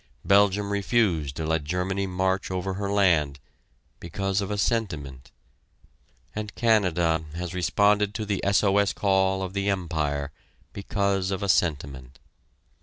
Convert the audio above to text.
Belgium refused to let Germany march over her land because of a sentiment, and Canada has responded to the SOS call of the Empire because of a sentiment.